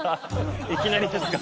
いきなりですか？